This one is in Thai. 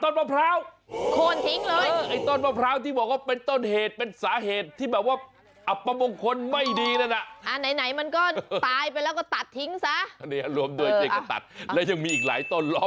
งั้นกลับไปที่บ้าน